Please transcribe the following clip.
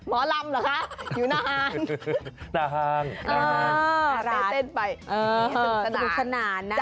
หมอลำเหรอคะอยู่หน้าห้างอ่าร้านสนุกสนาน